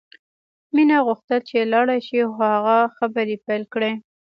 مینه غوښتل چې لاړه شي خو هغه خبرې پیل کړې